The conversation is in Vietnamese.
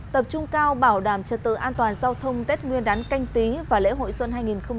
tập trung cao bảo đảm trật tự an toàn giao thông tết nguyên đán canh tí và lễ hội xuân hai nghìn hai mươi